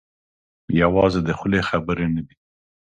یوازې د خولې خبرې نه دي.